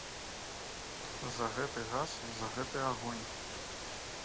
За гэты газ, за гэты агонь.